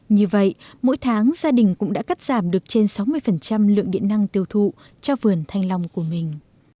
như vậy mỗi tháng gia đình cũng đã cắt giảm được trên sáu mươi lượng điện năng tiêu thụ cho vườn thanh long của mình